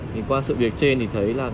thì qua sự việc trên thì thấy là